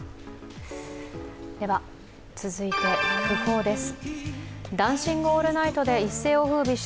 続いて訃報です。